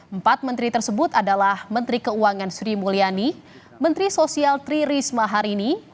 empat menteri tersebut adalah menteri keuangan sri mulyani menteri sosial tri risma hari ini